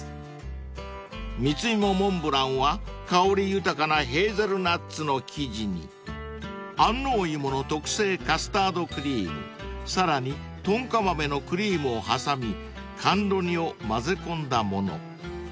［蜜芋モンブランは香り豊かなヘーゼルナッツの生地に安納いもの特製カスタードクリームさらにトンカ豆のクリームを挟み甘露煮を混ぜ込んだもの］